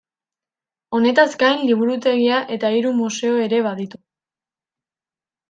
Honetaz gain liburutegia eta hiru museo ere baditu.